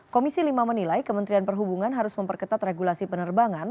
komisi lima menilai kementerian perhubungan harus memperketat regulasi penerbangan